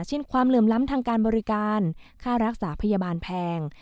ความเหลื่อมล้ำทางการบริการค่ารักษาพยาบาลแพง